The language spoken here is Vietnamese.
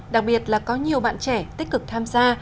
đặc biệt là có nhiều bạn trẻ tích cực tham gia